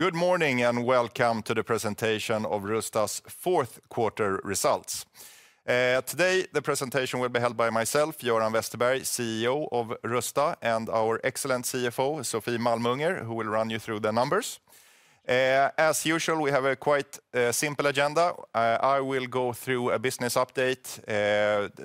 Good morning and welcome to the presentation of Rusta's Fourth Quarter Results. Today, the presentation will be held by myself, Göran Westerberg, CEO of Rusta, and our excellent CFO, Sofie Malmunger, who will run you through the numbers. As usual, we have a quite simple agenda. I will go through a business update,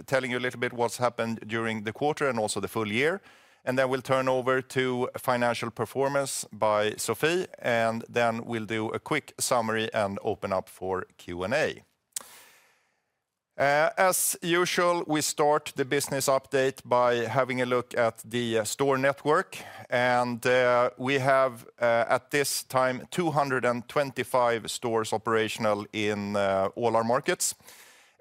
telling you a little bit what's happened during the quarter and also the full year. Then we will turn over to financial performance by Sofie, and then we will do a quick summary and open up for Q&A. As usual, we start the business update by having a look at the store network. We have, at this time, 225 stores operational in all our markets.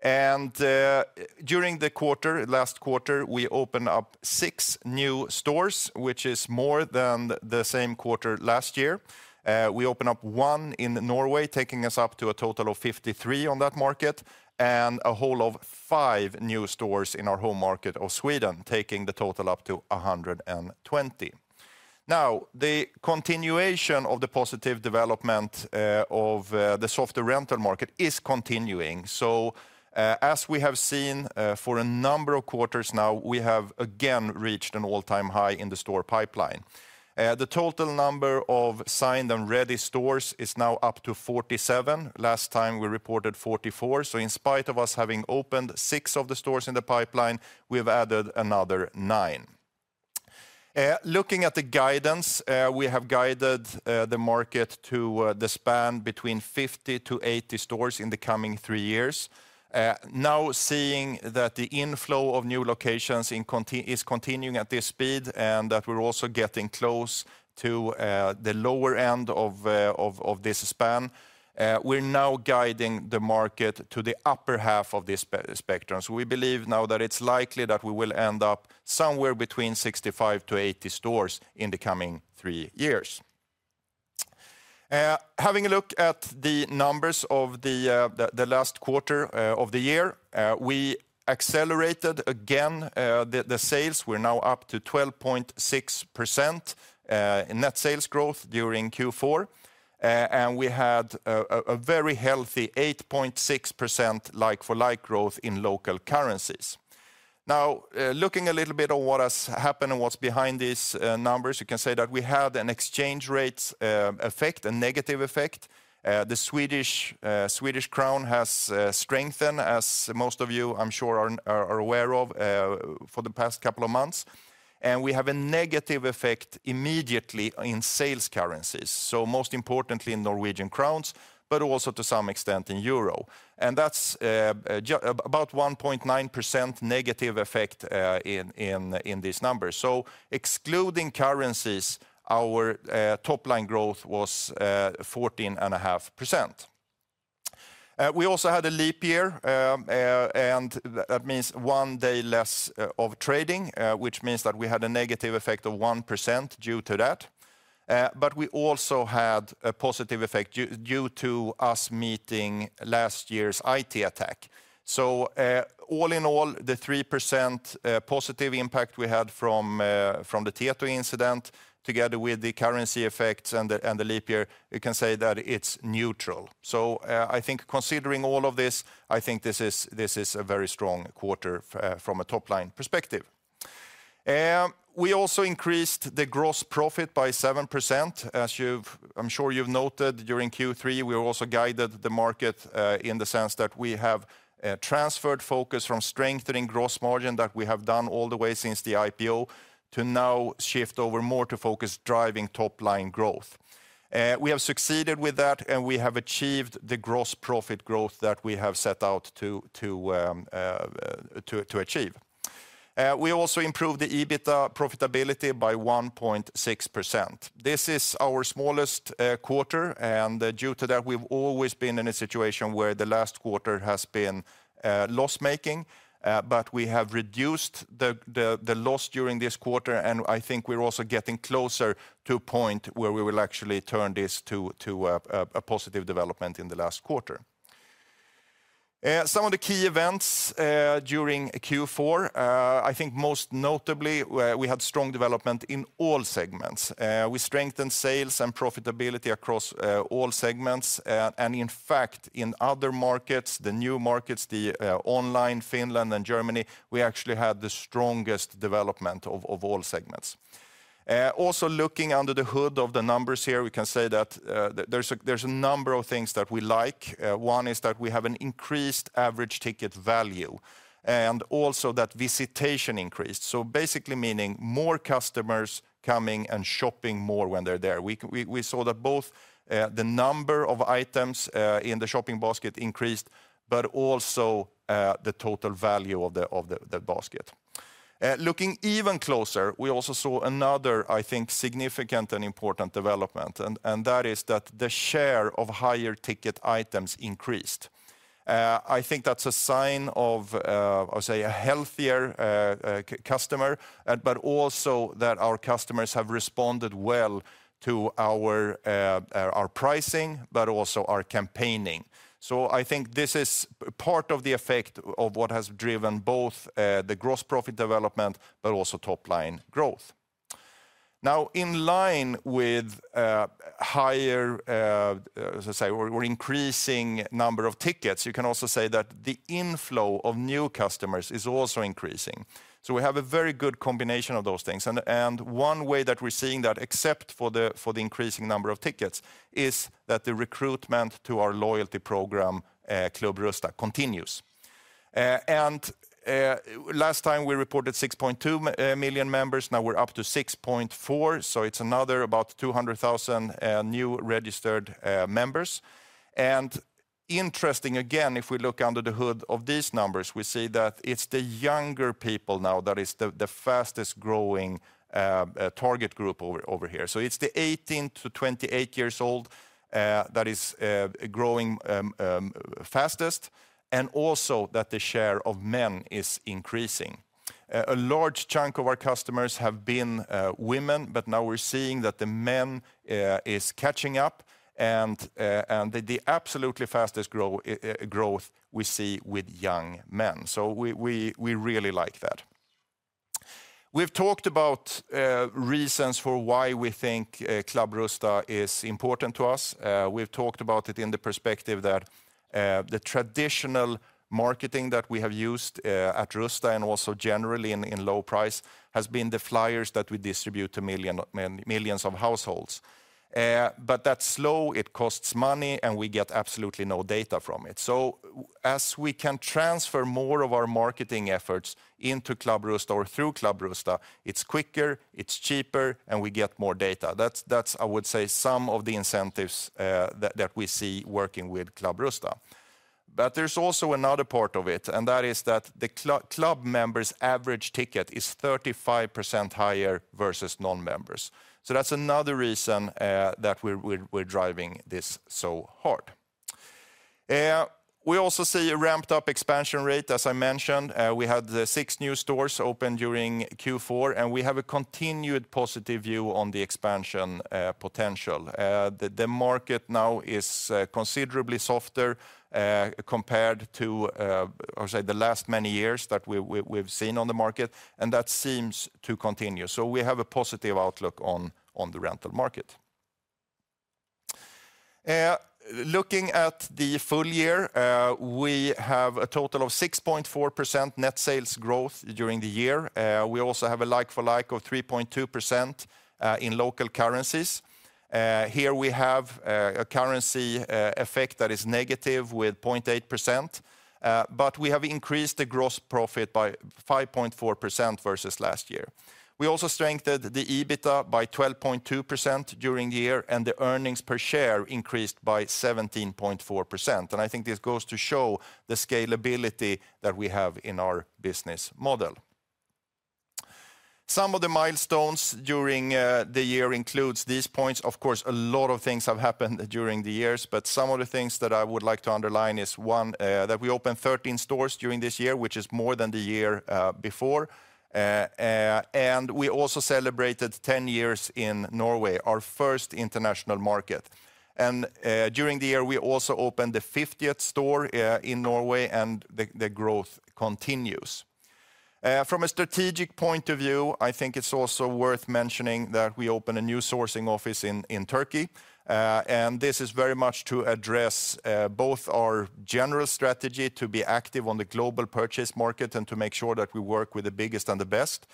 During the quarter, last quarter, we opened up six new stores, which is more than the same quarter last year. We opened up one in Norway, taking us up to a total of 53 on that market, and a whole of five new stores in our home market of Sweden, taking the total up to 120. Now, the continuation of the positive development of the software rental market is continuing. As we have seen for a number of quarters now, we have again reached an all-time high in the store pipeline. The total number of signed and ready stores is now up to 47. Last time, we reported 44. In spite of us having opened six of the stores in the pipeline, we've added another nine. Looking at the guidance, we have guided the market to the span between 50-80 stores in the coming three years. Now, seeing that the inflow of new locations is continuing at this speed and that we're also getting close to the lower end of this span, we're now guiding the market to the upper half of this spectrum. We believe now that it's likely that we will end up somewhere between 65-80 stores in the coming three years. Having a look at the numbers of the last quarter of the year, we accelerated again the sales. We're now up to 12.6% net sales growth during Q4. We had a very healthy 8.6% like-for-like growth in local currencies. Now, looking a little bit at what has happened and what's behind these numbers, you can say that we had an exchange rate effect, a negative effect. The Swedish krona has strengthened, as most of you, I'm sure, are aware of, for the past couple of months. We have a negative effect immediately in sales currencies. Most importantly, in Norwegian krone, but also to some extent in euro. That is about a 1.9% negative effect in these numbers. Excluding currencies, our top-line growth was 14.5%. We also had a leap year, and that means one day less of trading, which means that we had a negative effect of 1% due to that. We also had a positive effect due to us meeting last year's IT attack. All in all, the 3% positive impact we had from the Tieto incident, together with the currency effects and the leap year, you can say that it is neutral. I think considering all of this, I think this is a very strong quarter from a top-line perspective. We also increased the gross profit by 7%. As I'm sure you've noted, during Q3, we also guided the market in the sense that we have transferred focus from strengthening gross margin that we have done all the way since the IPO to now shift over more to focus driving top-line growth. We have succeeded with that, and we have achieved the gross profit growth that we have set out to achieve. We also improved the EBITDA profitability by 1.6%. This is our smallest quarter, and due to that, we've always been in a situation where the last quarter has been loss-making. We have reduced the loss during this quarter, and I think we're also getting closer to a point where we will actually turn this to a positive development in the last quarter. Some of the key events during Q4, I think most notably, we had strong development in all segments. We strengthened sales and profitability across all segments. In fact, in other markets, the new markets, the online Finland and Germany, we actually had the strongest development of all segments. Also, looking under the hood of the numbers here, we can say that there is a number of things that we like. One is that we have an increased average ticket value and also that visitation increased. Basically meaning more customers coming and shopping more when they are there. We saw that both the number of items in the shopping basket increased, but also the total value of the basket. Looking even closer, we also saw another, I think, significant and important development, and that is that the share of higher ticket items increased. I think that's a sign of, I would say, a healthier customer, but also that our customers have responded well to our pricing, but also our campaigning. I think this is part of the effect of what has driven both the gross profit development, but also top-line growth. Now, in line with higher, as I say, or increasing number of tickets, you can also say that the inflow of new customers is also increasing. We have a very good combination of those things. One way that we're seeing that, except for the increasing number of tickets, is that the recruitment to our loyalty program, Club Rusta, continues. Last time, we reported 6.2 million members. Now we're up to 6.4 million It's another about 200,000 new registered members. Interesting, again, if we look under the hood of these numbers, we see that it's the younger people now that is the fastest growing target group over here. It is the 18 to 28 years old that is growing fastest, and also that the share of men is increasing. A large chunk of our customers have been women, but now we're seeing that the men is catching up, and the absolutely fastest growth we see with young men. We really like that. We've talked about reasons for why we think Club Rusta is important to us. We've talked about it in the perspective that the traditional marketing that we have used at Rusta, and also generally in low price, has been the flyers that we distribute to millions of households. That is slow, it costs money, and we get absolutely no data from it. As we can transfer more of our marketing efforts into Club Rusta or through Club Rusta, it's quicker, it's cheaper, and we get more data. That's, I would say, some of the incentives that we see working with Club Rusta. There's also another part of it, and that is that the club members' average ticket is 35% higher versus non-members. That's another reason that we're driving this so hard. We also see a ramped-up expansion rate, as I mentioned. We had six new stores open during Q4, and we have a continued positive view on the expansion potential. The market now is considerably softer compared to, I would say, the last many years that we've seen on the market, and that seems to continue. We have a positive outlook on the rental market. Looking at the full year, we have a total of 6.4% net sales growth during the year. We also have a like-for-like of 3.2% in local currencies. Here we have a currency effect that is negative with 0.8%, but we have increased the gross profit by 5.4% versus last year. We also strengthened the EBITDA by 12.2% during the year, and the earnings per share increased by 17.4%. I think this goes to show the scalability that we have in our business model. Some of the milestones during the year include these points. Of course, a lot of things have happened during the years, but some of the things that I would like to underline is, one, that we opened 13 stores during this year, which is more than the year before. We also celebrated 10 years in Norway, our first international market. During the year, we also opened the 50th store in Norway, and the growth continues. From a strategic point of view, I think it's also worth mentioning that we opened a new sourcing office in Turkey. This is very much to address both our general strategy to be active on the global purchase market and to make sure that we work with the biggest and the best.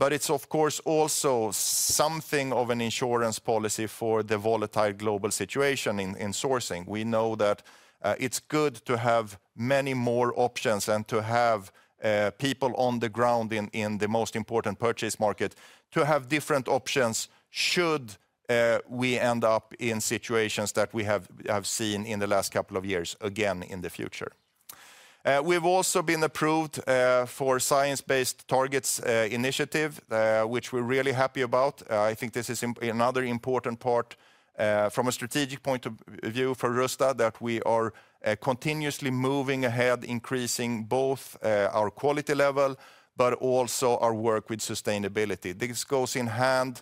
It is, of course, also something of an insurance policy for the volatile global situation in sourcing. We know that it's good to have many more options and to have people on the ground in the most important purchase market to have different options should we end up in situations that we have seen in the last couple of years again in the future. We have also been approved for a Science Based Targets initiative, which we're really happy about. I think this is another important part from a strategic point of view for Rusta that we are continuously moving ahead, increasing both our quality level, but also our work with sustainability. This goes in hand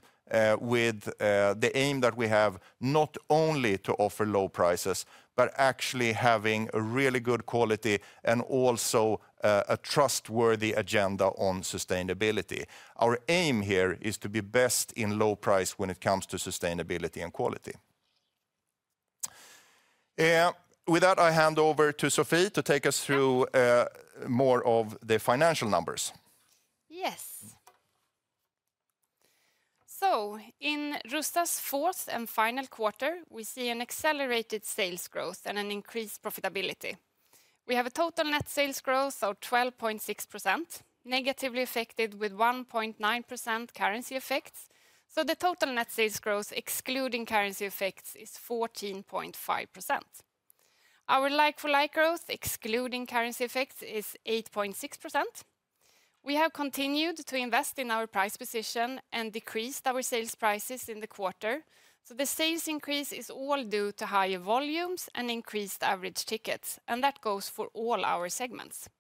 with the aim that we have not only to offer low prices, but actually having a really good quality and also a trustworthy agenda on sustainability. Our aim here is to be best in low price when it comes to sustainability and quality. With that, I hand over to Sofie to take us through more of the financial numbers. Yes. In Rusta's fourth and final quarter, we see an accelerated sales growth and an increased profitability. We have a total net sales growth of 12.6%, negatively affected with 1.9% currency effects. The total net sales growth, excluding currency effects, is 14.5%. Our like-for-like growth, excluding currency effects, is 8.6%. We have continued to invest in our price position and decreased our sales prices in the quarter. The sales increase is all due to higher volumes and increased average tickets, and that goes for all our segments.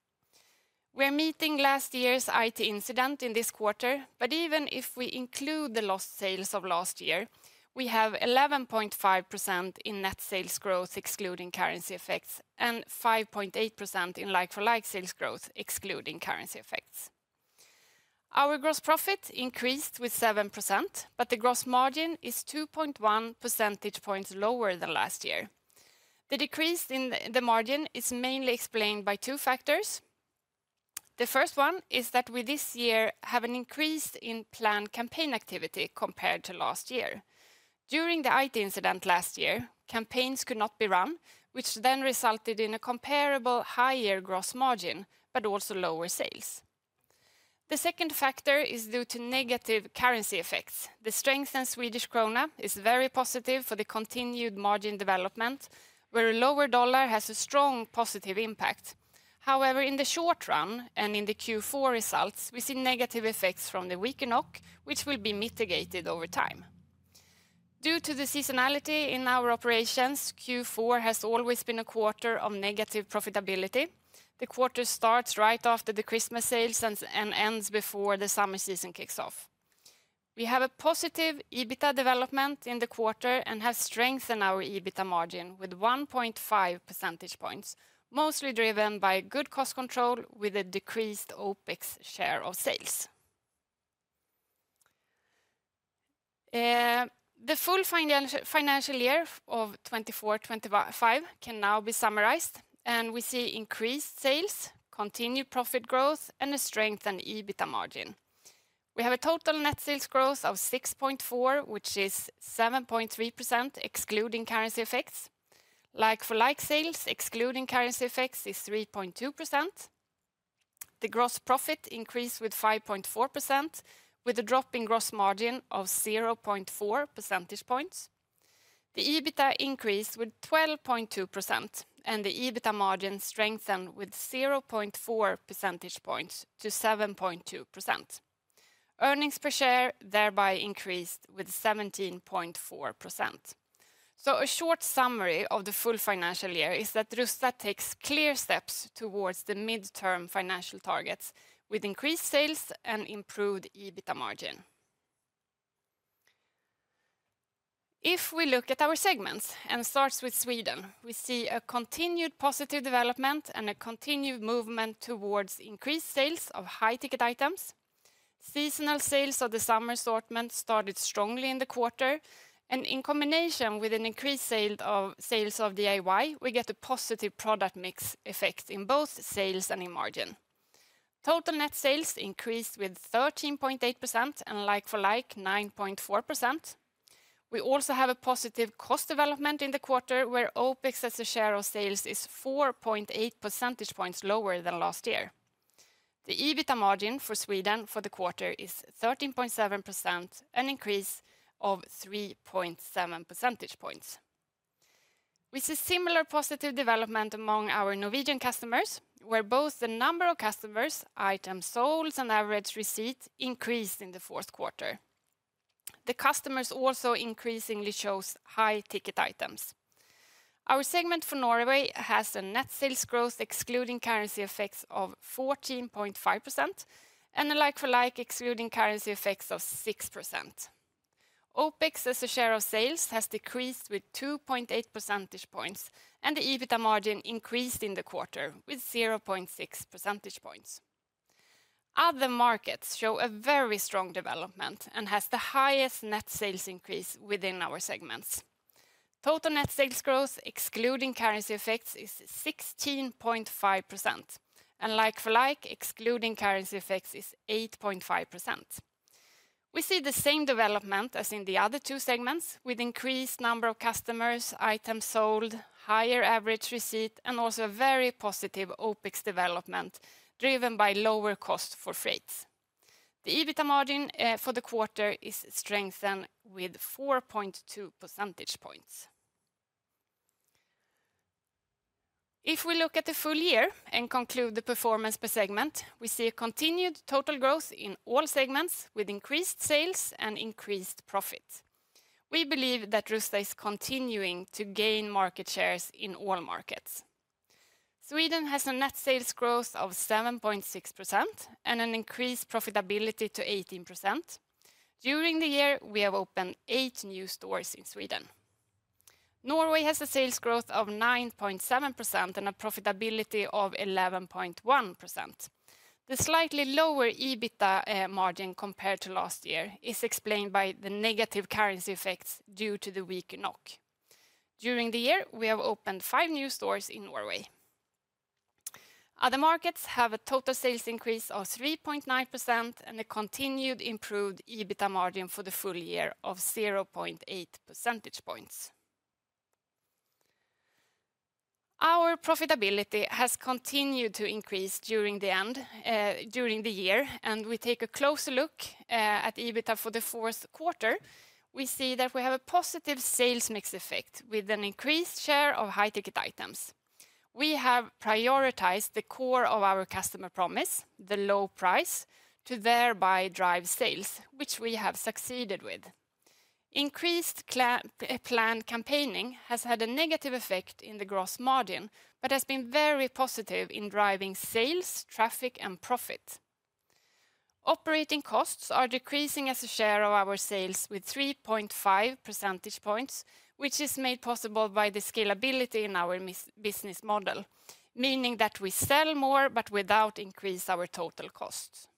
We are meeting last year's IT incident in this quarter, but even if we include the lost sales of last year, we have 11.5% in net sales growth, excluding currency effects, and 5.8% in like-for-like sales growth, excluding currency effects. Our gross profit increased with 7%, but the gross margin is 2.1 percentage points lower than last year. The decrease in the margin is mainly explained by two factors. The first one is that we this year have an increase in planned campaign activity compared to last year. During the IT incident last year, campaigns could not be run, which then resulted in a comparable higher gross margin, but also lower sales. The second factor is due to negative currency effects. The strengthened Swedish krona is very positive for the continued margin development, where a lower dollar has a strong positive impact. However, in the short run and in the Q4 results, we see negative effects from the weaker NOK, which will be mitigated over time. Due to the seasonality in our operations, Q4 has always been a quarter of negative profitability. The quarter starts right after the Christmas sales and ends before the summer season kicks off. We have a positive EBITDA development in the quarter and have strengthened our EBITDA margin with 1.5 percentage points, mostly driven by good cost control with a decreased OPEX share of sales. The full financial year of 2024-2025 can now be summarized, and we see increased sales, continued profit growth, and a strengthened EBITDA margin. We have a total net sales growth of 6.4%, which is 7.3% excluding currency effects. Like-for-like sales, excluding currency effects, is 3.2%. The gross profit increased with 5.4%, with a drop in gross margin of 0.4 percentage points. The EBITDA increased with 12.2%, and the EBITDA margin strengthened with 0.4 percentage points to 7.2%. Earnings per share thereby increased with 17.4%. A short summary of the full financial year is that Rusta takes clear steps towards the midterm financial targets with increased sales and improved EBITDA margin. If we look at our segments and start with Sweden, we see a continued positive development and a continued movement towards increased sales of high ticket items. Seasonal sales of the summer assortment started strongly in the quarter, and in combination with an increased sales of DIY, we get a positive product mix effect in both sales and in margin. Total net sales increased with 13.8% and like-for-like 9.4%. We also have a positive cost development in the quarter, where OPEX as a share of sales is 4.8 percentage points lower than last year. The EBITDA margin for Sweden for the quarter is 13.7%, an increase of 3.7 percentage points. We see similar positive development among our Norwegian customers, where both the number of customers, items sold, and average receipt increased in the fourth quarter. The customers also increasingly chose high ticket items. Our segment for Norway has a net sales growth, excluding currency effects, of 14.5% and a like-for-like, excluding currency effects, of 6%. OPEX as a share of sales has decreased with 2.8 percentage points, and the EBITDA margin increased in the quarter with 0.6 percentage points. Other markets show a very strong development and have the highest net sales increase within our segments. Total net sales growth, excluding currency effects, is 16.5%, and like-for-like, excluding currency effects, is 8.5%. We see the same development as in the other two segments with an increased number of customers, items sold, higher average receipt, and also a very positive OPEX development driven by lower cost for freights. The EBITDA margin for the quarter is strengthened with 4.2 percentage points. If we look at the full year and conclude the performance per segment, we see a continued total growth in all segments with increased sales and increased profits. We believe that Rusta is continuing to gain market shares in all markets. Sweden has a net sales growth of 7.6% and an increased profitability to 18%. During the year, we have opened eight new stores in Sweden. Norway has a sales growth of 9.7% and a profitability of 11.1%. The slightly lower EBITDA margin compared to last year is explained by the negative currency effects due to the weaker NOK. During the year, we have opened five new stores in Norway. Other markets have a total sales increase of 3.9% and a continued improved EBITDA margin for the full year of 0.8 percentage points. Our profitability has continued to increase during the year, and we take a closer look at EBITDA for the fourth quarter. We see that we have a positive sales mix effect with an increased share of high ticket items. We have prioritized the core of our customer promise, the low price, to thereby drive sales, which we have succeeded with. Increased planned campaigning has had a negative effect in the gross margin, but has been very positive in driving sales, traffic, and profit. Operating costs are decreasing as a share of our sales with 3.5 percentage points, which is made possible by the scalability in our business model, meaning that we sell more but without increasing our total costs.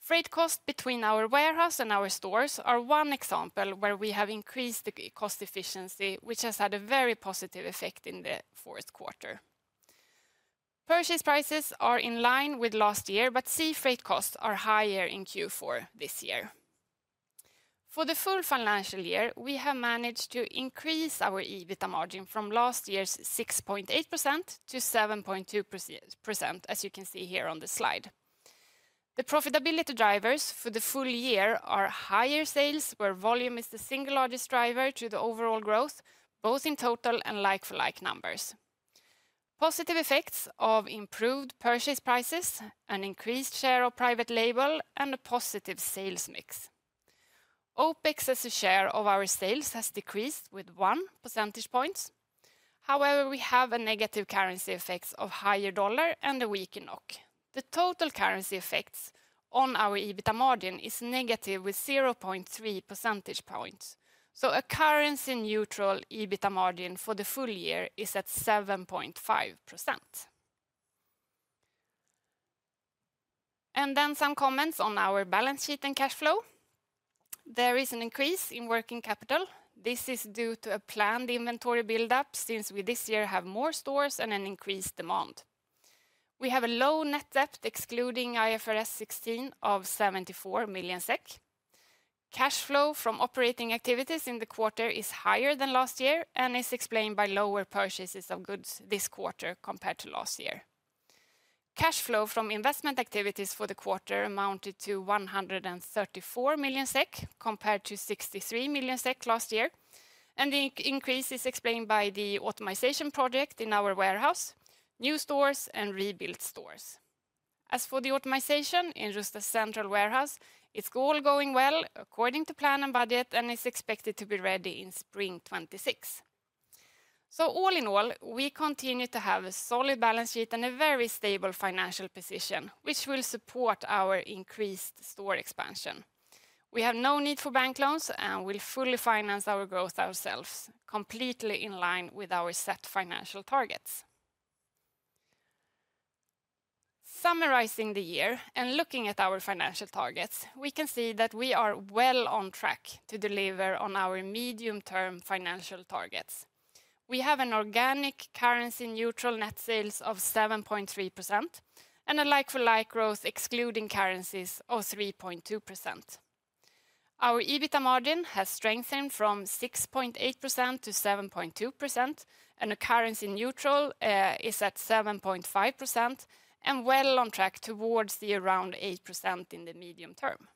Freight costs between our warehouse and our stores are one example where we have increased the cost efficiency, which has had a very positive effect in the fourth quarter. Purchase prices are in line with last year, but sea freight costs are higher in Q4 this year. For the full financial year, we have managed to increase our EBITDA margin from last year's 6.8% to 7.2%, as you can see here on the slide. The profitability drivers for the full year are higher sales, where volume is the single largest driver to the overall growth, both in total and like-for-like numbers. Positive effects of improved purchase prices, an increased share of private label, and a positive sales mix. OPEX as a share of our sales has decreased with 1 percentage point. However, we have negative currency effects of higher dollar and a weaker NOK. The total currency effects on our EBITDA margin are negative with 0.3 percentage points. A currency-neutral EBITDA margin for the full year is at 7.5%. Some comments on our balance sheet and cash flow. There is an increase in working capital. This is due to a planned inventory build-up since we this year have more stores and an increased demand. We have a low net debt, excluding IFRS 16, of 74 million SEK. Cash flow from operating activities in the quarter is higher than last year and is explained by lower purchases of goods this quarter compared to last year. Cash flow from investment activities for the quarter amounted to 134 million SEK compared to 63 million SEK last year. The increase is explained by the optimization project in our warehouse, new stores, and rebuilt stores. As for the optimization in Rusta's central warehouse, it's all going well according to plan and budget, and it's expected to be ready in spring 2026. All in all, we continue to have a solid balance sheet and a very stable financial position, which will support our increased store expansion. We have no need for bank loans, and we'll fully finance our growth ourselves, completely in line with our set financial targets. Summarizing the year and looking at our financial targets, we can see that we are well on track to deliver on our medium-term financial targets. We have an organic currency-neutral net sales of 7.3% and a like-for-like growth, excluding currencies, of 3.2%. Our EBITDA margin has strengthened from 6.8% to 7.2%, and the currency-neutral is at 7.5% and well on track towards the around 8% in the medium term.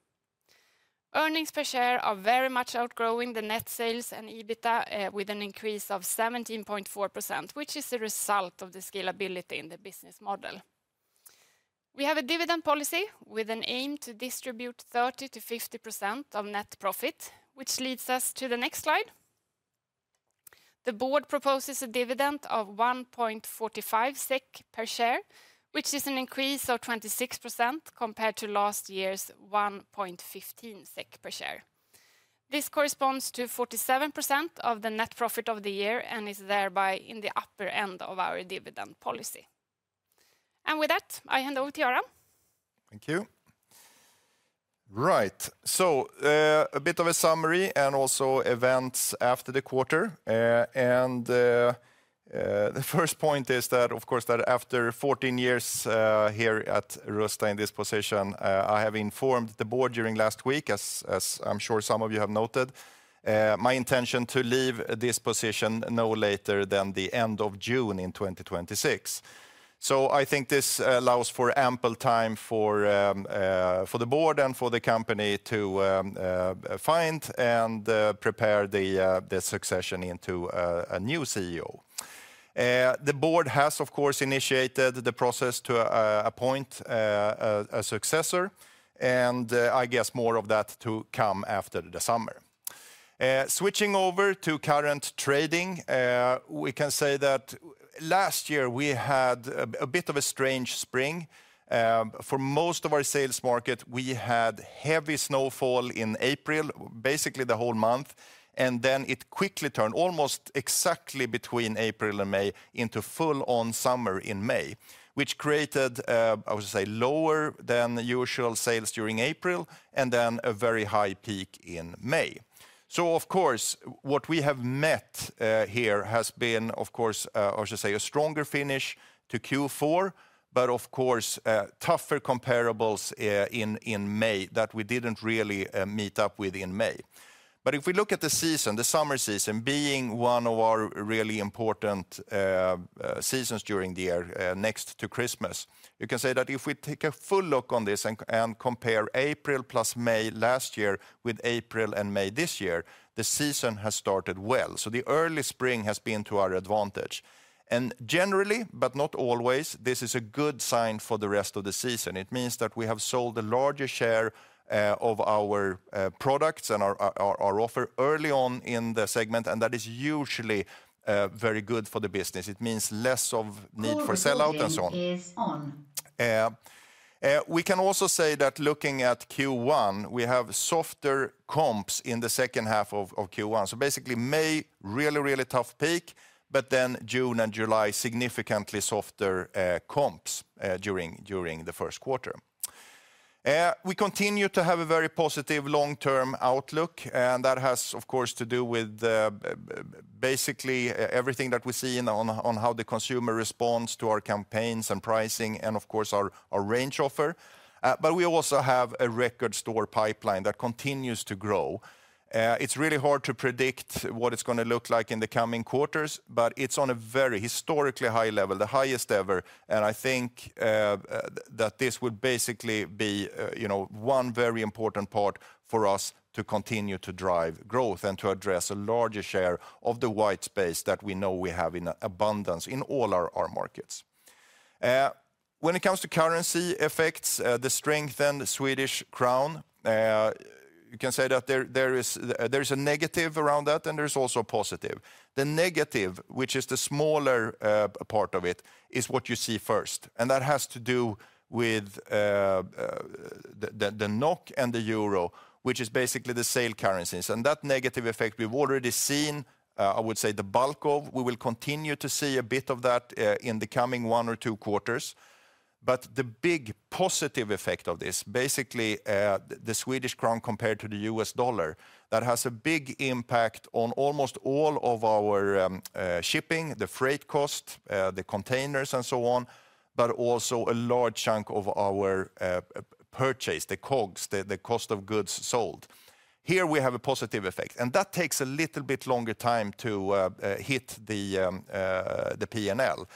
Earnings per share are very much outgrowing the net sales and EBITDA with an increase of 17.4%, which is the result of the scalability in the business model. We have a dividend policy with an aim to distribute 30-50% of net profit, which leads us to the next slide. The board proposes a dividend of 1.45 SEK per share, which is an increase of 26% compared to last year's 1.15 SEK per share. This corresponds to 47% of the net profit of the year and is thereby in the upper end of our dividend policy. With that, I hand over to Gran. Thank you. Right, so a bit of a summary and also events after the quarter. The first point is that, of course, after 14 years here at Rusta in this position, I have informed the board during last week, as I'm sure some of you have noted, my intention to leave this position no later than the end of June in 2026. I think this allows for ample time for the board and for the company to find and prepare the succession into a new CEO. The board has, of course, initiated the process to appoint a successor, and I guess more of that to come after the summer. Switching over to current trading, we can say that last year we had a bit of a strange spring. For most of our sales market, we had heavy snowfall in April, basically the whole month, and then it quickly turned almost exactly between April and May into full-on summer in May, which created, I would say, lower than usual sales during April and then a very high peak in May. Of course, what we have met here has been, of course, I should say, a stronger finish to Q4, but, of course, tougher comparables in May that we did not really meet up with in May. If we look at the season, the summer season being one of our really important seasons during the year next to Christmas, you can say that if we take a full look on this and compare April plus May last year with April and May this year, the season has started well. The early spring has been to our advantage. Generally, but not always, this is a good sign for the rest of the season. It means that we have sold a larger share of our products and our offer early on in the segment, and that is usually very good for the business. It means less of need for sellout and so on. We can also say that looking at Q1, we have softer comps in the second half of Q1. Basically, May, really, really tough peak, but then June and July, significantly softer comps during the first quarter. We continue to have a very positive long-term outlook, and that has, of course, to do with basically everything that we see on how the consumer responds to our campaigns and pricing and, of course, our range offer. We also have a record store pipeline that continues to grow. It's really hard to predict what it's going to look like in the coming quarters, but it's on a very historically high level, the highest ever. I think that this would basically be one very important part for us to continue to drive growth and to address a larger share of the white space that we know we have in abundance in all our markets. When it comes to currency effects, the strengthened Swedish krona, you can say that there is a negative around that, and there's also a positive. The negative, which is the smaller part of it, is what you see first. That has to do with the NOK and the Euro, which is basically the sale currencies. That negative effect we have already seen, I would say the bulk of, we will continue to see a bit of that in the coming one or two quarters. The big positive effect of this, basically the Swedish krona compared to the U.S. dollar, has a big impact on almost all of our shipping, the freight cost, the containers, and so on, but also a large chunk of our purchase, the COGS, the cost of goods sold. Here we have a positive effect, and that takes a little bit longer time to hit the P&L for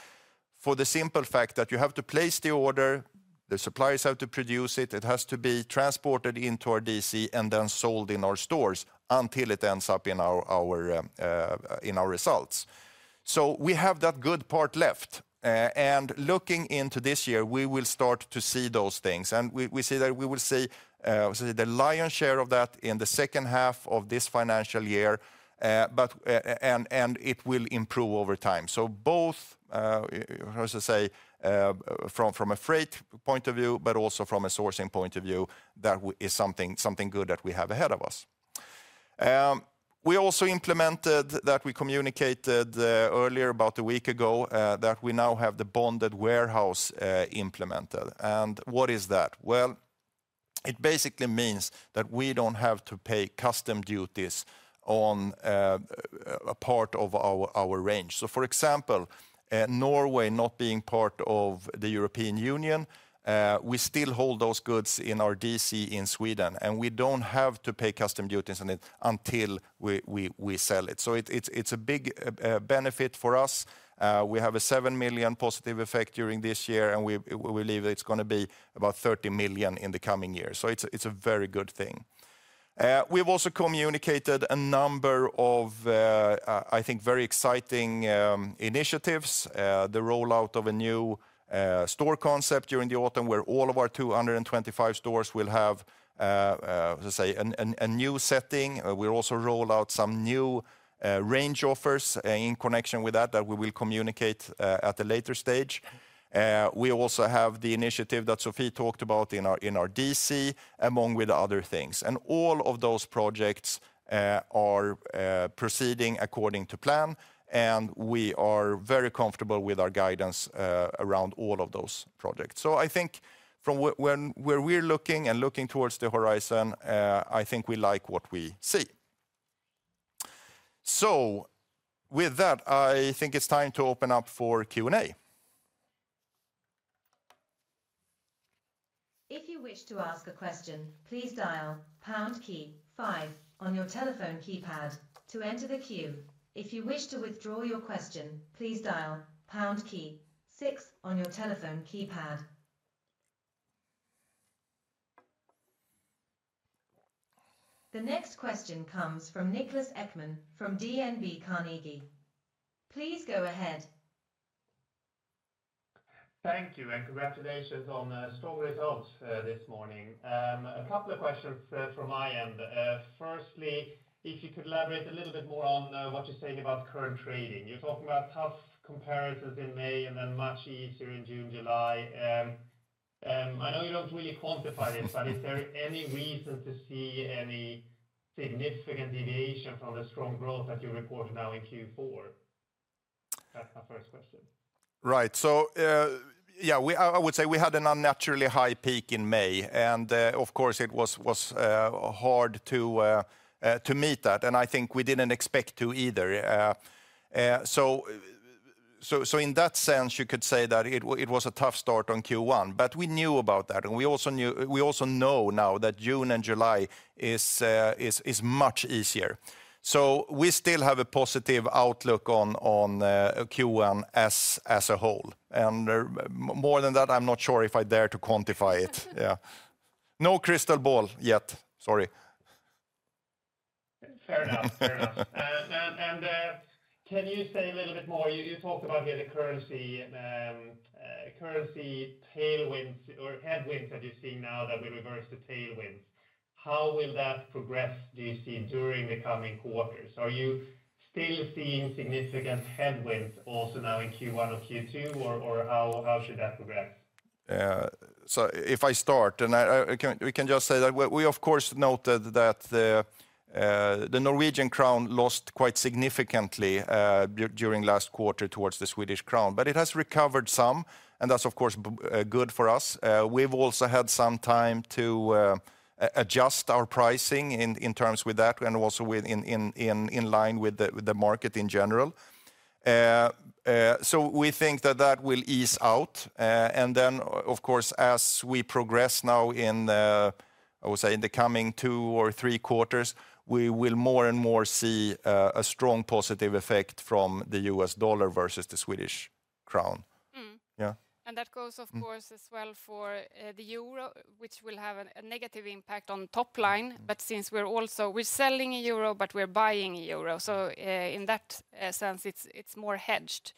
the simple fact that you have to place the order, the suppliers have to produce it, it has to be transported into our DC and then sold in our stores until it ends up in our results. We have that good part left. Looking into this year, we will start to see those things. We see that we will see the lion's share of that in the second half of this financial year, but it will improve over time. Both, I should say, from a freight point of view, but also from a sourcing point of view, that is something good that we have ahead of us. We also implemented, as we communicated earlier about a week ago, that we now have the bonded warehouse implemented. What is that? It basically means that we do not have to pay customs duties on a part of our range. For example, Norway not being part of the European Union, we still hold those goods in our DC in Sweden, and we do not have to pay customs duties on it until we sell it. It is a big benefit for us. We have a 7 million positive effect during this year, and we believe it's going to be about 30 million in the coming year. It's a very good thing. We've also communicated a number of, I think, very exciting initiatives, the rollout of a new store concept during the autumn where all of our 225 stores will have, I should say, a new setting. We'll also rollout some new range offers in connection with that that we will communicate at a later stage. We also have the initiative that Sofie talked about in our DC, among other things. All of those projects are proceeding according to plan, and we are very comfortable with our guidance around all of those projects. I think from where we're looking and looking towards the horizon, I think we like what we see. With that, I think it's time to open up for Q&A. If you wish to ask a question, please dial pound key five on your telephone keypad to enter the queue. If you wish to withdraw your question, please dial pound key six on your telephone keypad. The next question comes from Niklas Ekman from DNB Carnegie. Please go ahead. Thank you and congratulations on strong results this morning. A couple of questions from my end. Firstly, if you could elaborate a little bit more on what you're saying about current trading. You're talking about tough comparisons in May and then much easier in June, July. I know you don't really quantify this, but is there any reason to see any significant deviation from the strong growth that you reported now in Q4? That's my first question. Right. Yeah, I would say we had an unnaturally high peak in May, and of course, it was hard to meet that. I think we did not expect to either. In that sense, you could say that it was a tough start on Q1, but we knew about that. We also know now that June and July are much easier. We still have a positive outlook on Q1 as a whole. More than that, I am not sure if I dare to quantify it. No crystal ball yet. Sorry. [Fair enough. Fair enough] Can you say a little bit more? You talked about here the currency tailwinds or headwinds that you are seeing now that we reverse the tailwinds. How will that progress? Do you see during the coming quarters? Are you still seeing significant headwinds also now in Q1 or Q2, or how should that progress? If I start, we can just say that we, of course, noted that the Norwegian krone lost quite significantly during last quarter towards the Swedish krona, but it has recovered some, and that's, of course, good for us. We've also had some time to adjust our pricing in terms with that and also in line with the market in general. We think that that will ease out. Of course, as we progress now in, I would say, in the coming two or three quarters, we will more and more see a strong positive effect from the U.S. dollar versus the Swedish krona. Yeah. That goes, of course, as well for the Euro, which will have a negative impact on top line. Since we're also reselling in Euro, but we're buying in Euro, in that sense, it's more hedged.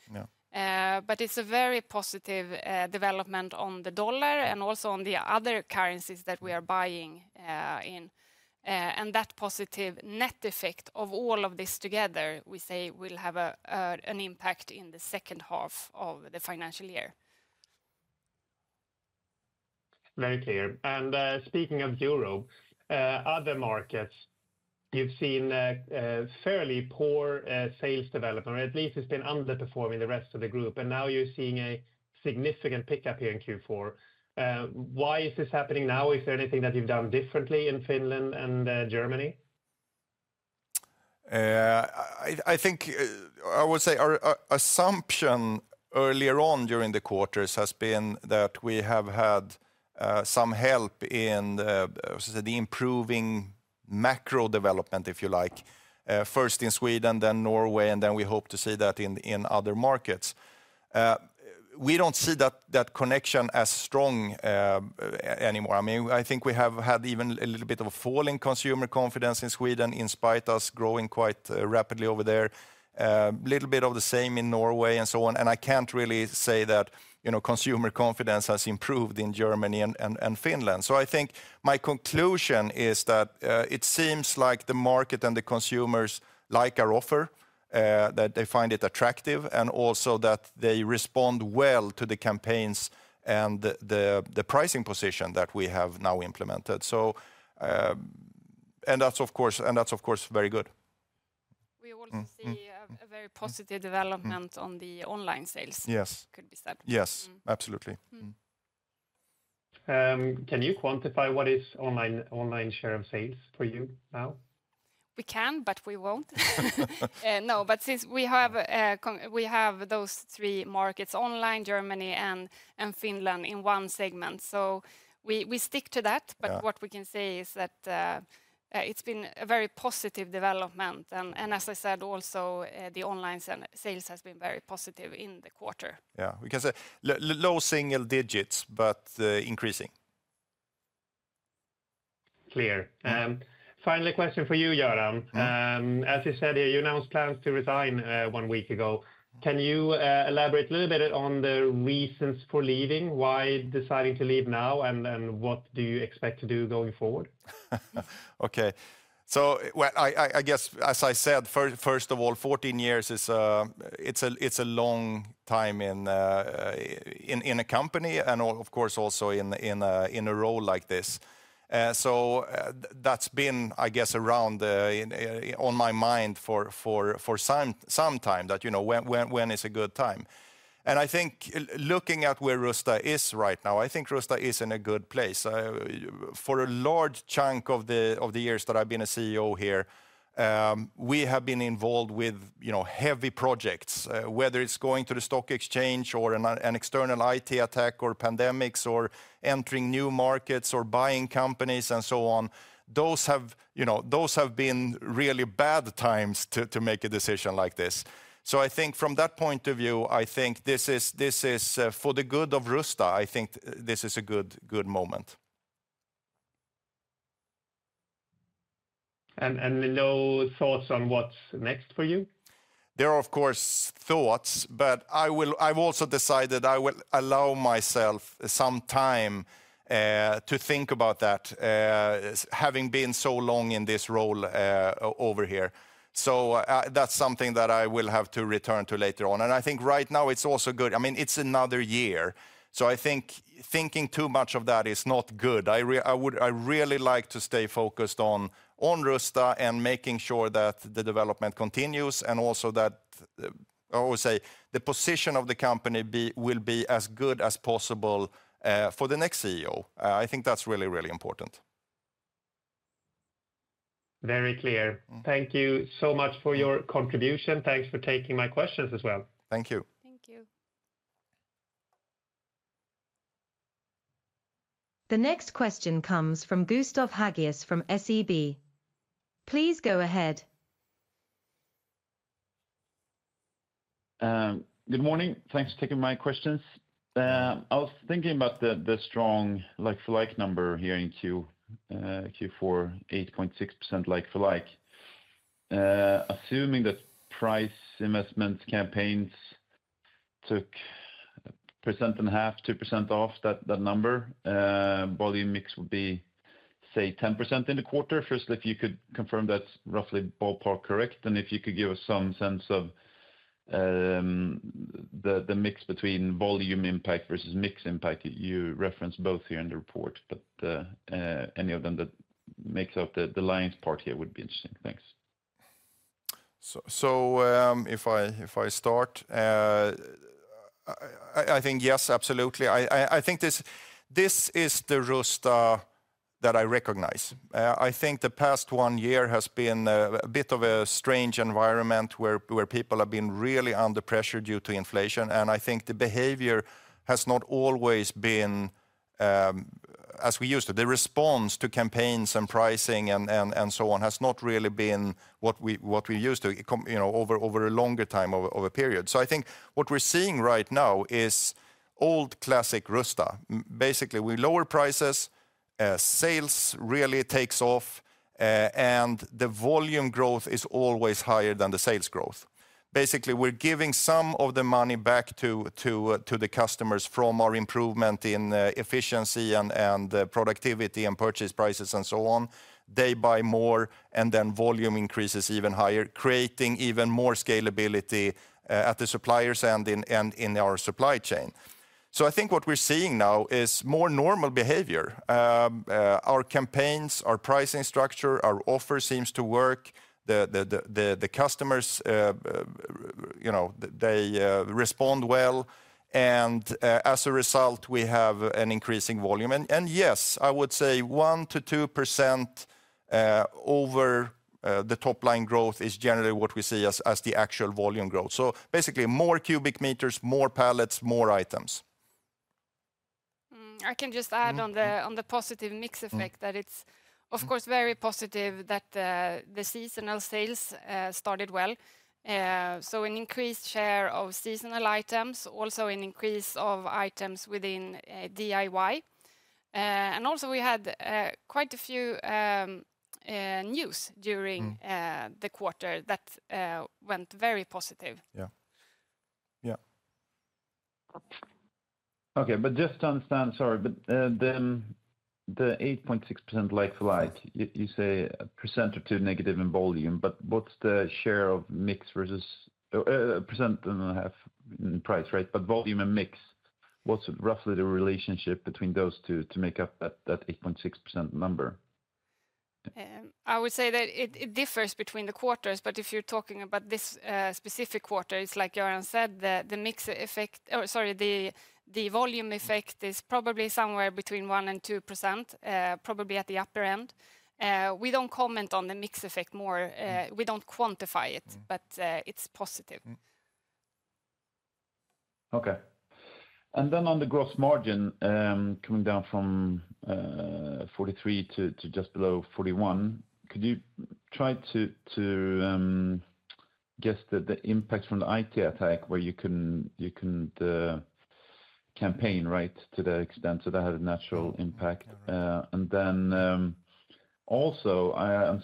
It is a very positive development on the dollar and also on the other currencies that we are buying in. That positive net effect of all of this together, we say, will have an impact in the second half of the financial year. Very clear. Speaking of Euro, other markets, you have seen fairly poor sales development, or at least it has been underperforming the rest of the group. Now you are seeing a significant pickup here in Q4. Why is this happening now? Is there anything that you have done differently in Finland and Germany? I think I would say our assumption earlier on during the quarters has been that we have had some help in the improving macro development, if you like, first in Sweden, then Norway, and then we hope to see that in other markets. We do not see that connection as strong anymore. I mean, I think we have had even a little bit of a fall in consumer confidence in Sweden in spite of us growing quite rapidly over there, a little bit of the same in Norway and so on. I can't really say that consumer confidence has improved in Germany and Finland. I think my conclusion is that it seems like the market and the consumers like our offer, that they find it attractive, and also that they respond well to the campaigns and the pricing position that we have now implemented. That is, of course, very good. We also see a very positive development on the online sales. Yes. Could be said. Yes, absolutely. Can you quantify what is online share of sales for you now? We can, but we won't. No, but since we have those three markets, online, Germany, and Finland in one segment, we stick to that. What we can say is that it's been a very positive development. As I said, also the online sales has been very positive in the quarter. Yeah, we can say low single digits, but increasing. Clear. Final question for you, Göran. As you said, you announced plans to resign one week ago. Can you elaborate a little bit on the reasons for leaving, why deciding to leave now, and what do you expect to do going forward? Okay. I guess, as I said, first of all, 14 years, it's a long time in a company and, of course, also in a role like this. That's been, I guess, around on my mind for some time, that when is a good time. I think looking at where Rusta is right now, I think Rusta is in a good place. For a large chunk of the years that I've been a CEO here, we have been involved with heavy projects, whether it's going to the stock exchange or an external IT attack or pandemics or entering new markets or buying companies and so on. Those have been really bad times to make a decision like this. I think from that point of view, I think this is for the good of Rusta, I think this is a good moment. No thoughts on what's next for you? There are, of course, thoughts, but I've also decided I will allow myself some time to think about that, having been so long in this role over here. That's something that I will have to return to later on. I think right now it's also good. I mean, it's another year. I think thinking too much of that is not good. I really like to stay focused on Rusta and making sure that the development continues and also that, I always say, the position of the company will be as good as possible for the next CEO. I think that's really, really important. Very clear. Thank you so much for your contribution. Thanks for taking my questions as well. Thank you. Thank you. The next question comes from Gustav Hageus from SEB. Please go ahead. Good morning. Thanks for taking my questions. I was thinking about the strong like-for-like number here in Q4, 8.6% like-for-like. Assuming that price investment campaigns took 1.5%-2% off that number, volume mix would be, say, 10% in the quarter. Firstly, if you could confirm that's roughly ballpark correct, and if you could give us some sense of the mix between volume impact versus mix impact, you referenced both here in the report, but any of them that makes up the lion's part here would be interesting. Thanks. If I start, I think yes, absolutely. I think this is the Rusta that I recognize. I think the past one year has been a bit of a strange environment where people have been really under pressure due to inflation. I think the behavior has not always been as we used to. The response to campaigns and pricing and so on has not really been what we're used to over a longer time of a period. I think what we're seeing right now is old classic Rusta. Basically, we lower prices, sales really takes off, and the volume growth is always higher than the sales growth. Basically, we're giving some of the money back to the customers from our improvement in efficiency and productivity and purchase prices and so on. They buy more, and then volume increases even higher, creating even more scalability at the suppliers and in our supply chain. I think what we're seeing now is more normal behavior. Our campaigns, our pricing structure, our offer seems to work. The customers, they respond well. As a result, we have an increasing volume. Yes, I would say 1-2% over the top line growth is generally what we see as the actual volume growth. Basically, more cubic meters, more pallets, more items. I can just add on the positive mix effect that it's, of course, very positive that the seasonal sales started well. So an increased share of seasonal items, also an increase of items within DIY. And also, we had quite a few news during the quarter that went very positive. Yeah. Yeah. Okay. Just to understand, sorry, but the 8.6% like-for-like, you say a percent or two negative in volume, but what's the share of mix versus a percent and a half in price, right? Volume and mix, what's roughly the relationship between those two to make up that 8.6% number? I would say that it differs between the quarters, but if you're talking about this specific quarter, it's like Göran said, the mix effect, or sorry, the volume effect is probably somewhere between 1-2%, probably at the upper end. We do not comment on the mix effect more. We do not quantify it, but it is positive. Okay. On the gross margin, coming down from 43% to just below 41%, could you try to guess the impact from the IT attack where you could not campaign, right, to the extent that that had a natural impact? I understand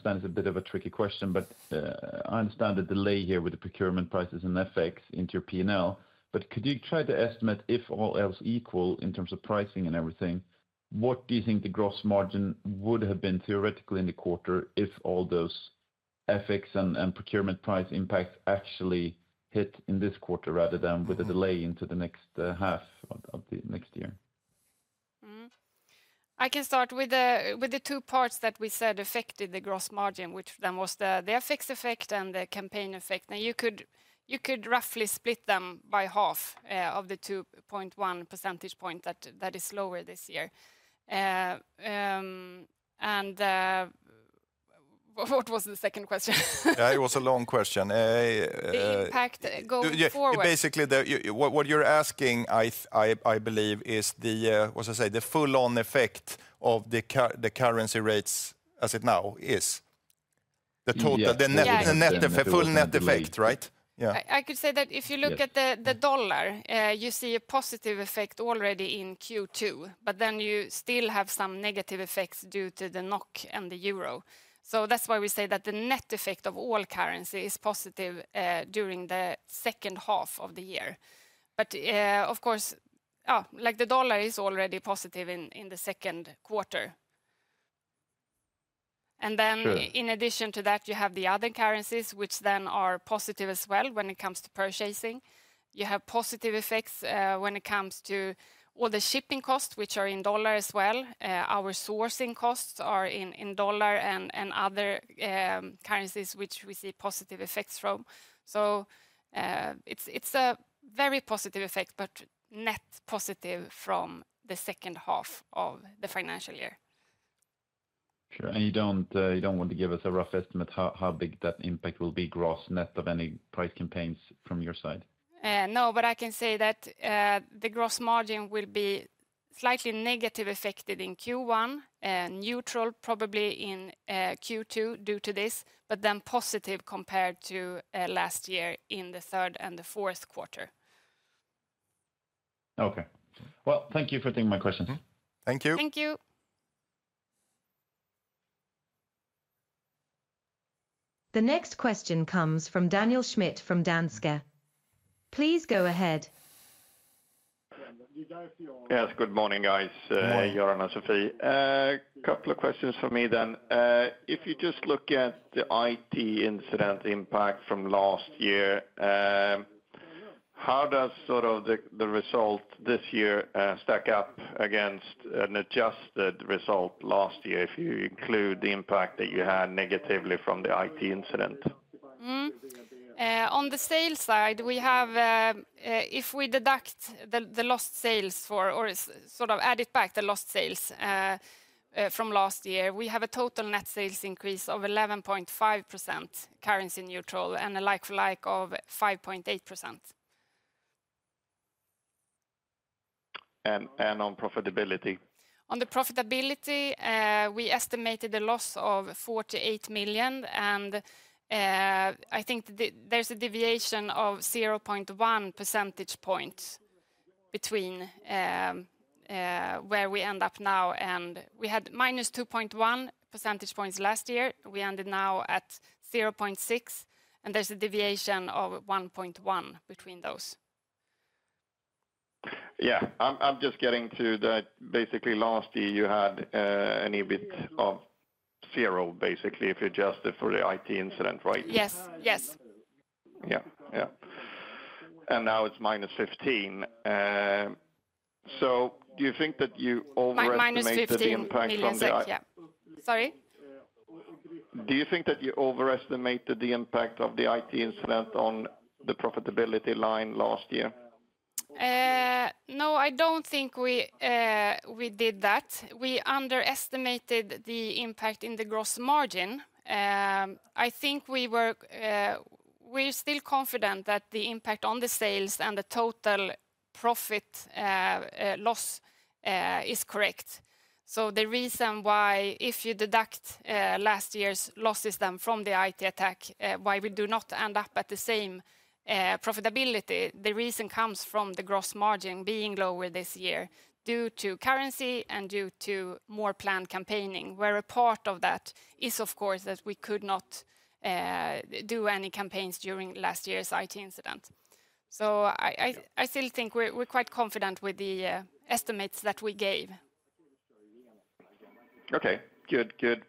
it is a bit of a tricky question, but I understand the delay here with the procurement prices and FX into your P&L, but could you try to estimate if all else equal in terms of pricing and everything, what do you think the gross margin would have been theoretically in the quarter if all those FX and procurement price impacts actually hit in this quarter rather than with a delay into the next half of the next year? I can start with the two parts that we said affected the gross margin, which then was the FX effect and the campaign effect. You could roughly split them by half of the 2.1 percentage point that is lower this year. What was the second question? It was a long question. The impact going forward. Basically, what you're asking, I believe, is the, what's to say, the full-on effect of the currency rates as it now is the net effect, full net effect, right? Yeah. I could say that if you look at the dollar, you see a positive effect already in Q2, but then you still have some negative effects due to the NOK and the Euro. That's why we say that the net effect of all currencies is positive during the second half of the year. Of course, like the dollar is already positive in the second quarter. In addition to that, you have the other currencies, which then are positive as well when it comes to purchasing. You have positive effects when it comes to all the shipping costs, which are in dollar as well. Our sourcing costs are in dollar and other currencies, which we see positive effects from. It is a very positive effect, but net positive from the second half of the financial year. You do not want to give us a rough estimate how big that impact will be, gross net of any price campaigns from your side? No, but I can say that the gross margin will be slightly negative affected in Q1, neutral probably in Q2 due to this, but then positive compared to last year in the third and the fourth quarter. Okay. Thank you for taking my questions. Thank you. The next question comes from Daniel Schmidt from Danske. Please go ahead. Yes, good morning, guys. Göran and Sofie. A couple of questions for me then. If you just look at the IT incident impact from last year, how does sort of the result this year stack up against an adjusted result last year if you include the impact that you had negatively from the IT incident? On the sales side, if we deduct the lost sales or sort of add it back, the lost sales from last year, we have a total net sales increase of 11.5% currency neutral and a like-for-like of 5.8%. On profitability? On the profitability, we estimated a loss of 48 million, and I think there is a deviation of 0.1 percentage points between where we end up now. We had minus 2.1 percentage points last year. We ended now at 0.6, and there is a deviation of 1.1 between those. Yeah. I am just getting to that. Basically, last year, you had an EBITDA of zero, basically, if you adjust it for the IT incident, right? Yes. Yes. Yeah. Yeah. And now it is minus 15 million. So do you think that you overestimated the impact of the IT minus 15 million, yeah. Sorry? Do you think that you overestimated the impact of the IT incident on the profitability line last year? No, I do not think we did that. We underestimated the impact in the gross margin. I think we are still confident that the impact on the sales and the total profit loss is correct. The reason why if you deduct last year's losses from the IT attack, why we do not end up at the same profitability, the reason comes from the gross margin being lower this year due to currency and due to more planned campaigning, where a part of that is, of course, that we could not do any campaigns during last year's IT incident. I still think we're quite confident with the estimates that we gave. Okay. Good. Good.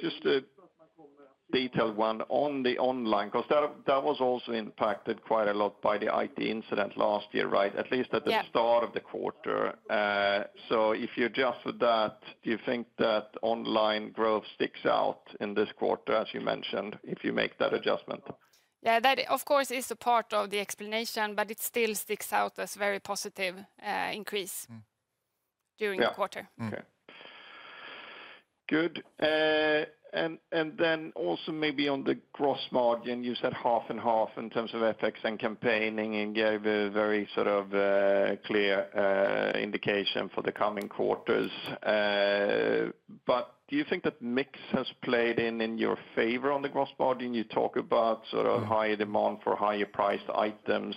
Just a detailed one on the online, because that was also impacted quite a lot by the IT incident last year, right? At least at the start of the quarter. If you adjust with that, do you think that online growth sticks out in this quarter, as you mentioned, if you make that adjustment? Yeah, that, of course, is a part of the explanation, but it still sticks out as a very positive increase during the quarter. Okay. Good. Then also maybe on the gross margin, you said half and half in terms of FX and campaigning and gave a very sort of clear indication for the coming quarters. Do you think that mix has played in your favor on the gross margin? You talk about sort of higher demand for higher priced items.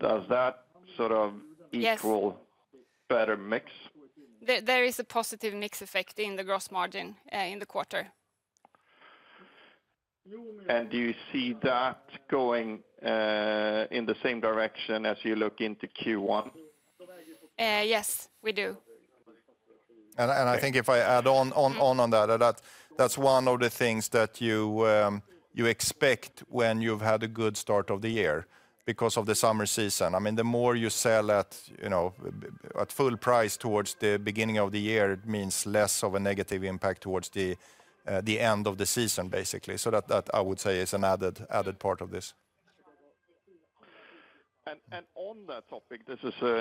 Does that sort of equal better mix? There is a positive mix effect in the gross margin in the quarter. Do you see that going in the same direction as you look into Q1? Yes, we do. I think if I add on on that, that's one of the things that you expect when you've had a good start of the year because of the summer season. I mean, the more you sell at full price towards the beginning of the year, it means less of a negative impact towards the end of the season, basically. That, I would say, is an added part of this. On that topic, this is a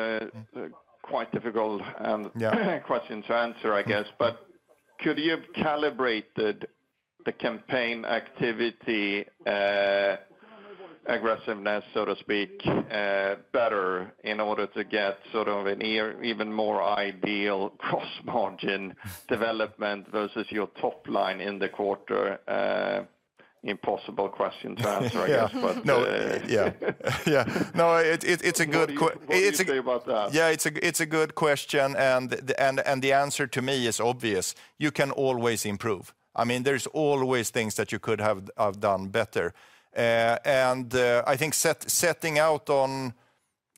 quite difficult question to answer, I guess, but could you have calibrated the campaign activity aggressiveness, so to speak, better in order to get sort of an even more ideal gross margin development versus your top line in the quarter? Impossible question to answer, I guess, but. Yeah. Yeah. No, it's a good question. Yeah, it's a good question. The answer to me is obvious. You can always improve. I mean, there's always things that you could have done better. I think setting out on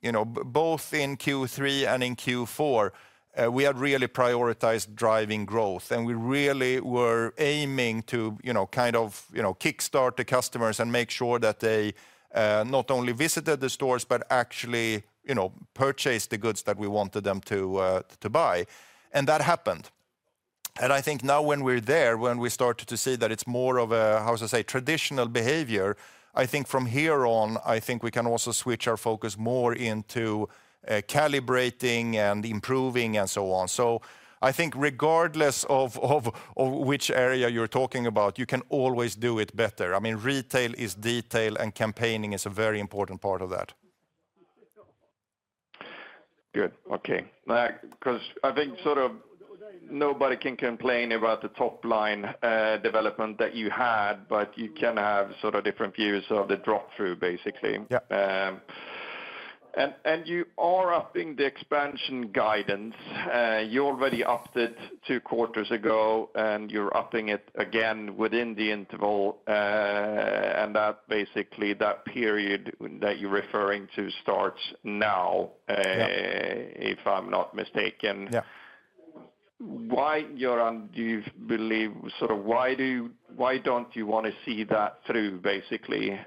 both in Q3 and in Q4, we had really prioritized driving growth, and we really were aiming to kind of kickstart the customers and make sure that they not only visited the stores, but actually purchased the goods that we wanted them to buy. That happened. I think now when we're there, when we started to see that it's more of a, how should I say, traditional behavior, I think from here on, I think we can also switch our focus more into calibrating and improving and so on. I think regardless of which area you're talking about, you can always do it better. I mean, retail is detail, and campaigning is a very important part of that. Good. Okay. Because I think sort of nobody can complain about the top line development that you had, but you can have sort of different views of the drop-through, basically. You are upping the expansion guidance. You already upped it two quarters ago, and you're upping it again within the interval. Basically, that period that you're referring to starts now, if I'm not mistaken. Why, Göran, do you believe sort of why don't you want to see that through, basically,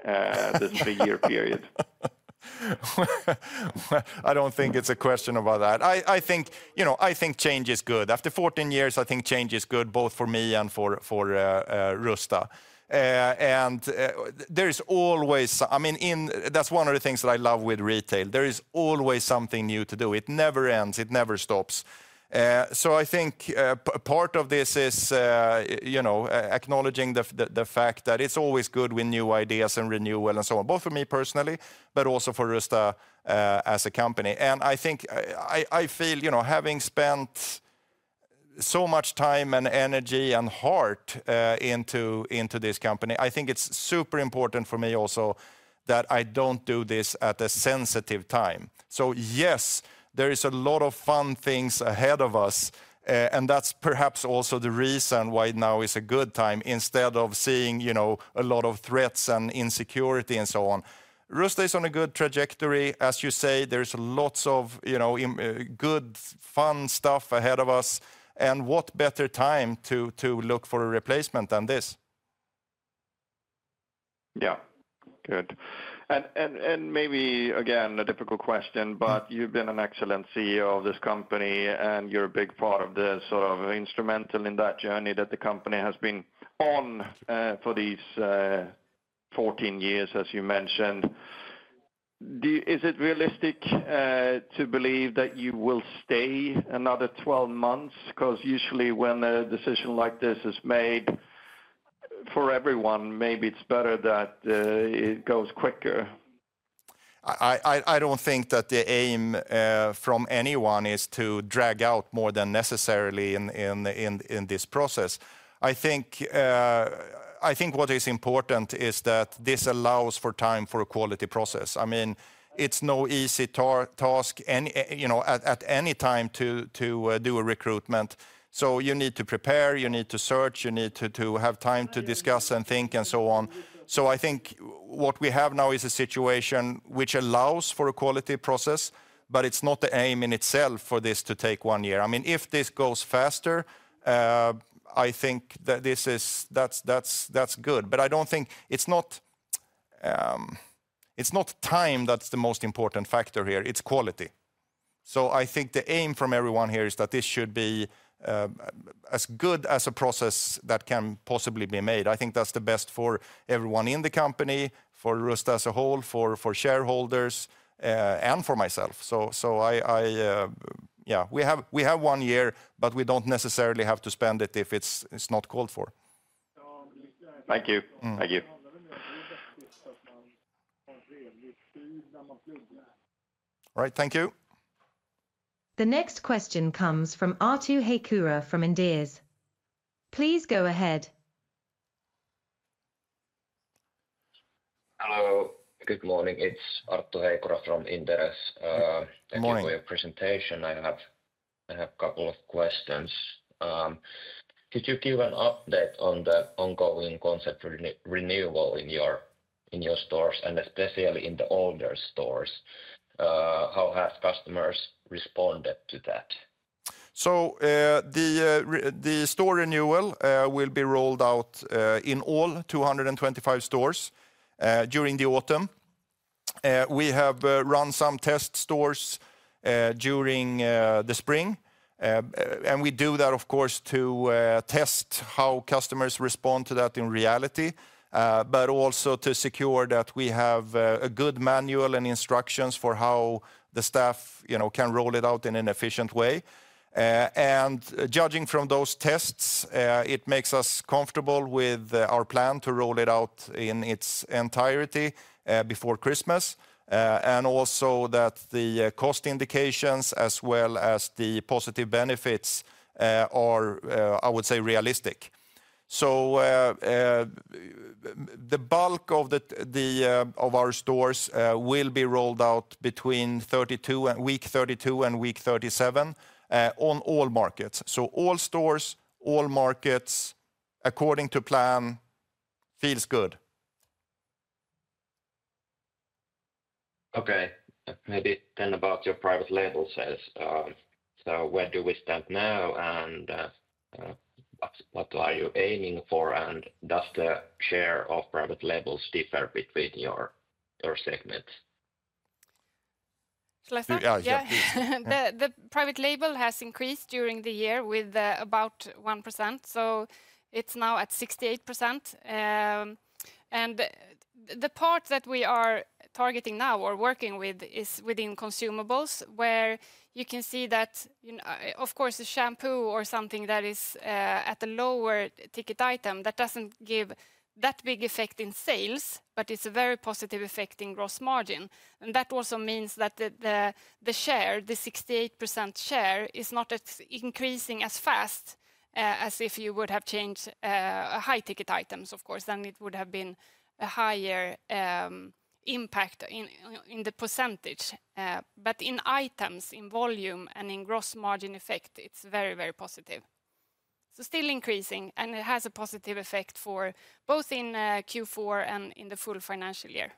this three-year period? I don't think it's a question about that. I think change is good. After 14 years, I think change is good, both for me and for Rusta. There is always, I mean, that's one of the things that I love with retail. There is always something new to do. It never ends. It never stops. I think part of this is acknowledging the fact that it's always good with new ideas and renewal and so on, both for me personally, but also for Rusta as a company. I think I feel having spent so much time and energy and heart into this company, I think it's super important for me also that I don't do this at a sensitive time. Yes, there is a lot of fun things ahead of us, and that's perhaps also the reason why now is a good time instead of seeing a lot of threats and insecurity and so on. Rusta is on a good trajectory. As you say, there's lots of good, fun stuff ahead of us. What better time to look for a replacement than this? Yeah. Good. Maybe, again, a difficult question, but you've been an excellent CEO of this company, and you're a big part of the sort of instrumental in that journey that the company has been on for these 14 years, as you mentioned. Is it realistic to believe that you will stay another 12 months? Because usually when a decision like this is made for everyone, maybe it's better that it goes quicker. I don't think that the aim from anyone is to drag out more than necessarily in this process. I think what is important is that this allows for time for a quality process. I mean, it's no easy task at any time to do a recruitment. You need to prepare, you need to search, you need to have time to discuss and think and so on. I think what we have now is a situation which allows for a quality process, but it's not the aim in itself for this to take one year. I mean, if this goes faster, I think that this is good. I don't think it's not time that's the most important factor here. It's quality. I think the aim from everyone here is that this should be as good as a process that can possibly be made. I think that's the best for everyone in the company, for Rusta as a whole, for shareholders, and for myself. Yeah, we have one year, but we don't necessarily have to spend it if it's not called for. Thank you. Thank you. All right. Thank you. The next question comes from Arto Heikura from Inderes. Please go ahead. Hello. Good morning. It's Arttu Heikura from Inderes. Thank you for your presentation. I have a couple of questions. Could you give an update on the ongoing concept renewal in your stores and especially in the older stores? How have customers responded to that? The store renewal will be rolled out in all 225 stores during the autumn. We have run some test stores during the spring. We do that, of course, to test how customers respond to that in reality, but also to secure that we have a good manual and instructions for how the staff can roll it out in an efficient way. Judging from those tests, it makes us comfortable with our plan to roll it out in its entirety before Christmas, and also that the cost indications as well as the positive benefits are, I would say, realistic. The bulk of our stores will be rolled out between week 32 and week 37 on all markets. All stores, all markets, according to plan, feels good. Okay. Maybe then about your private label sales. Where do we stand now? What are you aiming for? Does the share of private labels differ between your segments? Yeah. The private label has increased during the year with about 1%. It is now at 68%. The part that we are targeting now or working with is within consumables, where you can see that, of course, a shampoo or something that is a lower ticket item, that does not give that big effect in sales, but it is a very positive effect in gross margin. That also means that the share, the 68% share, is not increasing as fast as if you would have changed high ticket items, of course. It would have been a higher impact in the percentage. In items, in volume, and in gross margin effect, it is very, very positive. Still increasing, and it has a positive effect for both in Q4 and in the full financial year.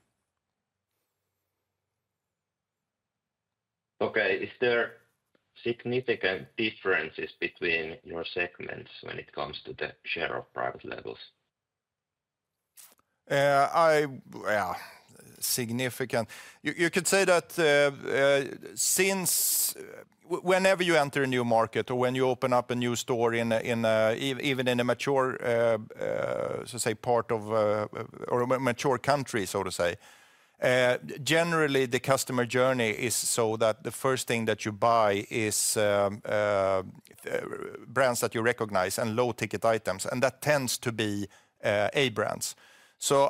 Okay. Is there significant differences between your segments when it comes to the share of private labels? Yeah, significant. You could say that whenever you enter a new market or when you open up a new store, even in a mature, so to say, part of a mature country, so to say, generally the customer journey is so that the first thing that you buy is brands that you recognize and low ticket items. That tends to be A brands.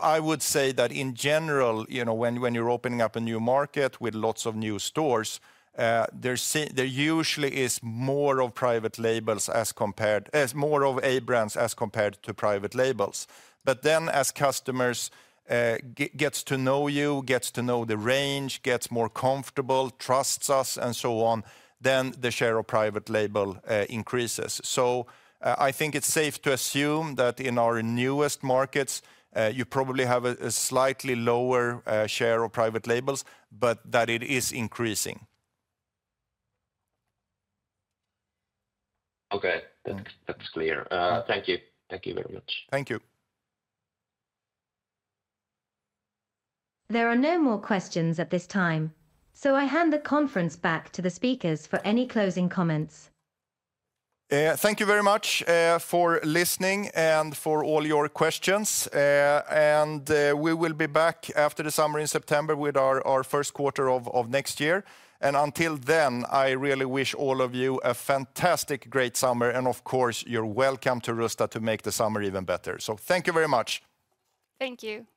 I would say that in general, when you're opening up a new market with lots of new stores, there usually is more of private labels as compared to A brands as compared to private labels. As customers get to know you, get to know the range, get more comfortable, trust us, and so on, the share of private label increases. I think it's safe to assume that in our newest markets, you probably have a slightly lower share of private labels, but that it is increasing. Okay. That's clear. Thank you. Thank you very much. Thank you. There are no more questions at this time. I hand the conference back to the speakers for any closing comments. Thank you very much for listening and for all your questions. We will be back after the summer in September with our first quarter of next year. Until then, I really wish all of you a fantastic great summer. Of course, you're welcome to Rusta to make the summer even better. Thank you very much. Thank you.